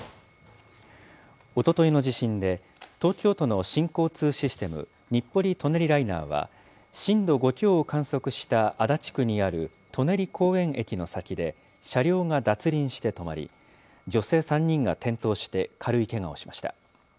おとといの地震で、東京都の新交通システム、日暮里・舎人ライナーは震度５強を観測した足立区にある舎人公園駅の先で車両が脱輪して止まり、女性３人が転倒して、軽いけがをしました。